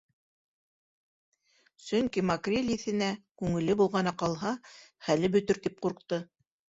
Сөнки макрель еҫенә күңеле болғана ҡалһа, хәле бөтөр тип ҡурҡты.